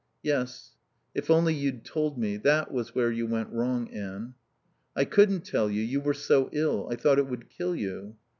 "Yes. If only you'd told me. That was where you went wrong, Anne." "I couldn't tell you. You were so ill. I thought it would kill you."